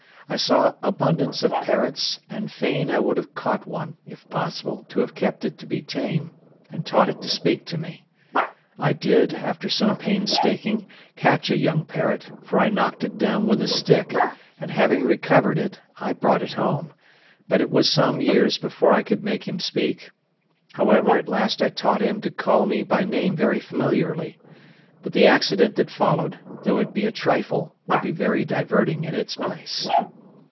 I saw abundance of parrots, and fain I would have caught one, if possible, to have kept it to be tame, and taught it to speak to me. I did, after some painstaking, catch a young parrot, for I knocked it down with a stick, and having recovered it, I brought it home; but it was some years before I could make him speak; however, at last I taught him to call me by name very familiarly. But the accident that followed, though it be a trifle, will be very diverting in its place.